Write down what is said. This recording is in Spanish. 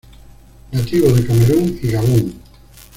Nativo de Camerún y Gabón.